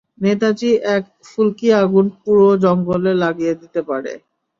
নেতাজি, এক ফুলকি আগুন পুরো জংগলে আগুন লাগিয়ে দিতে পারে।